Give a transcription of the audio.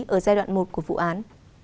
ở giai đoạn một của vụ án